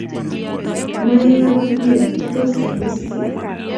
mo eei akot bia, ko tos ko ee whisky